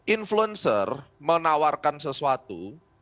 influencer menawarkan sesuatu